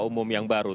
ketua umum yang baru